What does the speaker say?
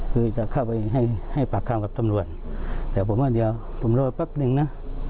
คือจะเข้าไปให้ให้ปากคำกับตำรวจแต่ผมว่าเดี๋ยวผมรอแป๊บนึงนะ